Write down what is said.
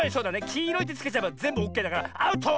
「きいろい」ってつけちゃえばぜんぶオッケーだからアウト！